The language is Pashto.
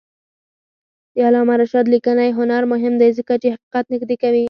د علامه رشاد لیکنی هنر مهم دی ځکه چې حقیقت نږدې کوي.